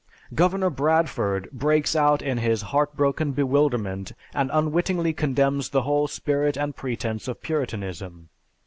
"Governor Bradford breaks out in his heart broken bewilderment and unwittingly condemns the whole spirit and pretense of Puritanism.